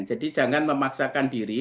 jadi jangan memaksakan diri